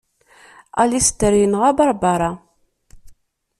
Alister yenɣa Barbara.